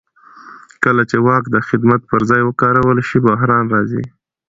کله چې واک د خدمت پر ځای وکارول شي بحران راځي